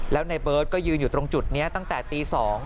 แล้วในเบิร์ตก็ยืนอยู่ตรงจุดนี้ตั้งแต่ตี๒